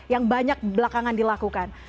yang banyak belakangan dilakukan